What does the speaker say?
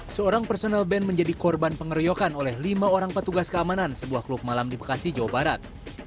seorang personel band menjadi korban pengeroyokan oleh lima orang petugas keamanan sebuah klub malam di bekasi jawa barat